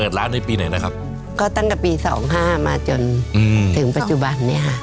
ร้านในปีไหนนะครับก็ตั้งแต่ปีสองห้ามาจนอืมถึงปัจจุบันเนี้ยค่ะ